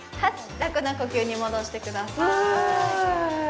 楽な呼吸に戻してくださいフーッ！